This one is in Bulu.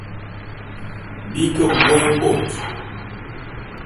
Bi ke bôé bôt.